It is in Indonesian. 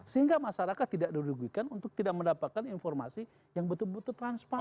sehingga masyarakat tidak dirugikan untuk tidak mendapatkan informasi yang betul betul transparan